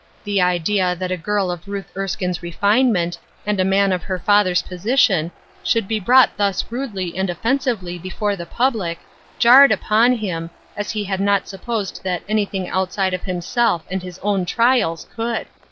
The idea that a girl of Ruth Erskine's refinement, and a man of her father's position, sho^^ld be brought thus rudely and offensively betore the public, jarred upon him, as he had not supposed that anything outside of himself and his own trials could.